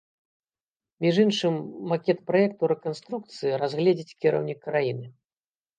Між іншым, макет праекту рэканструкцыі разгледзіць кіраўнік краіны.